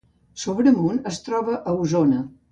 Sobremunt es troba a Osona